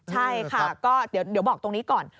ใช่ค่ะก็เดี๋ยวบอกตรงนี้ก่อน